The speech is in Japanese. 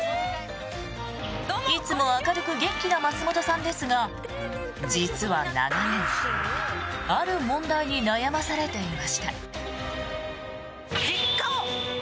いつも明るく元気な松本さんですが実は長年、ある問題に悩まされていました。